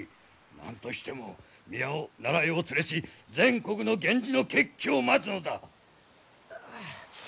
何としても宮を奈良へお連れし全国の源氏の決起を待つのだ。